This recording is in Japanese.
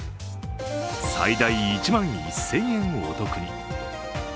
最大１万１０００円お得に。